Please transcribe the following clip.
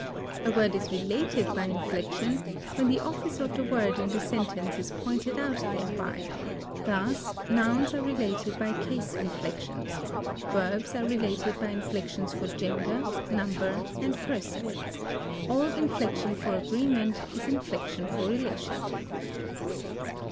A word is related by inflection when the office of the word in the sentence is pointed out thereby; thus, nouns are related by case inflections; verbs are related by inflections for gender, number, and person. All inflection for agreement is inflection for relation.